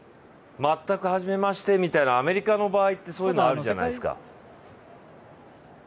全く初めましてみたいな、アメリカの場合ってそういうのあるじゃないですか。